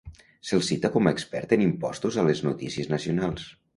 Se'l cita com a expert en impostos a les noticies nacionals.